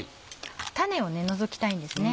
種を除きたいんですね。